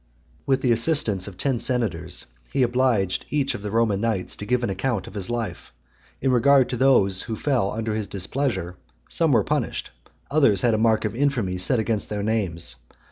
XXXIX. With the assistance of ten senators, he obliged each of the Roman knights to give an account of his life: in regard to those who fell under his displeasure, some were punished; others had a mark of infamy set against their names.